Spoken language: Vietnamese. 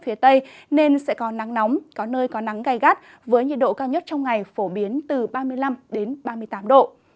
phía tây nên sẽ có nắng nóng có nơi có nắng gai gắt với nhiệt độ cao nhất trong ngày phổ biến từ ba mươi năm ba mươi tám độ